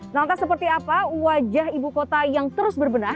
nah entah seperti apa wajah ibu kota yang terus berbenah